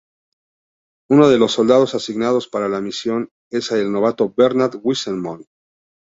Uno de los soldados asignados para la misión es el novato Bernard Wiseman.